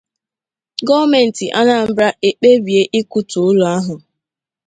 Gọọmenti Anambra Ekpebie Ịkụtù Ụlọ Ahụ